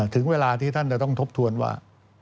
ถึงเวลาที่ท่านจะต้องทบทวนว่า